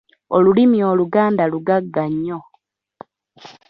Olulimi Oluganda lugagga nnyo.